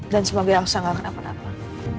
dan semoga elsa gak kena penatlah